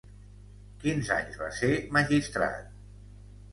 Quins anys va ser magistrat?